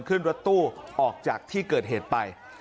ขึ้นรถตู้ออกจากที่เกิดเหตุไป